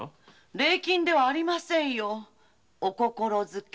礼金ではありませんよ。お心付け。